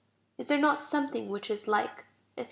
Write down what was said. Is there not something which is like, etc.?"